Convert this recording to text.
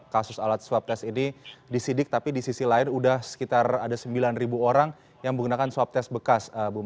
kasus alat swab tes ini disidik tapi di sisi lain sudah sekitar ada sembilan orang yang menggunakan swab tes bekas